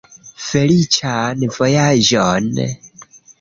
Feliĉan vojaĝon!